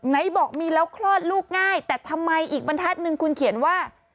ไหนบอกมีแล้วคลอดลูกง่ายแต่ทำไมอีกบรรทัศน์หนึ่งคุณเขียนว่า